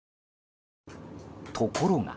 ところが。